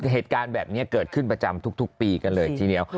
เหตุการณ์แบบนี้เกิดขึ้นประจำทุกปีกันเลยทีเดียว